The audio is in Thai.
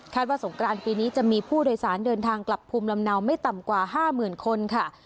ว่าสงกรานปีนี้จะมีผู้โดยสารเดินทางกลับภูมิลำเนาไม่ต่ำกว่า๕๐๐๐คนค่ะ